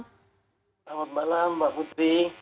selamat malam mbak putri